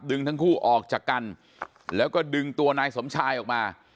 ทั้งคู่ออกจากกันแล้วก็ดึงตัวนายสมชายออกมา